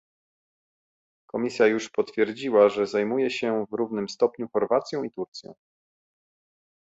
Komisja już potwierdziła, że zajmuje się w równym stopniu Chorwacją i Turcją